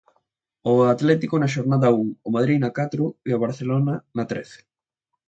O Atlético na xornada un, o Madrid na catro e o Barcelona na trece.